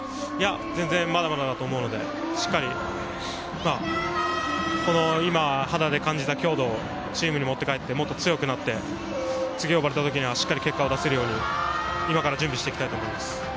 全然まだまだだと思うので、しっかり今肌で感じた強度、チームに持って帰って、もっと強くなって次に呼ばれた時にはしっかり結果を出せるように今から準備していきたいと思います。